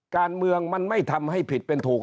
การเมืองมันไม่ทำให้ผิดเป็นถูก